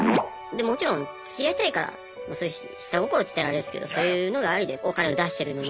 もちろんつきあいたいからそういう下心って言ったらあれですけどそういうのがありでお金を出してるのに。